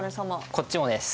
こっちもです。